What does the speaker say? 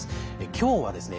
今日はですね